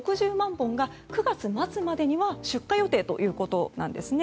本が９月末までには出荷予定ということですね。